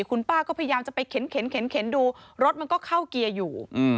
คุณป้าก็พยายามจะไปเข็นดูรถมันก็เข้าเกียร์อยู่